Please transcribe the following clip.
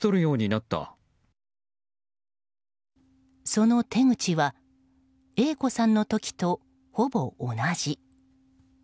その手口はＡ子さんの時とほぼ同じ。